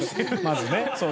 まずね。